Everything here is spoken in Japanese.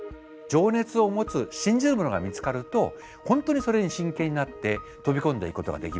情熱を持つ信じるものが見つかると本当にそれに真剣になって飛び込んでいくことができます。